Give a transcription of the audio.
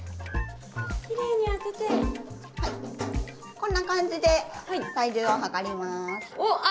こんな感じで体重を量ります。